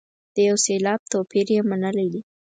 د یو سېلاب توپیر یې منلی دی.